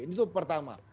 ini itu pertama